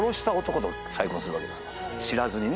知らずにね。